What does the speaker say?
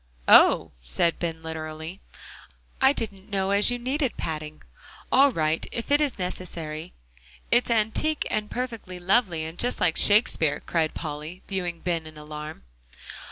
"Oh!" said Ben literally, "I didn't know as you needed padding. All right, if it is necessary." "It's antique, and perfectly lovely, and just like Shakespeare," cried Polly, viewing Ben in alarm.